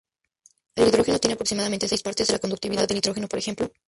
El hidrógeno tiene aproximadamente seis partes de la conductividad del nitrógeno por ejemplo.